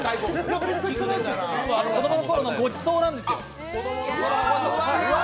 子供のころのごちそうなんですよ。